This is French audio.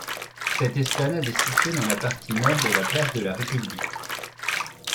Cette esplanade est située sur la partie nord de la place de la République.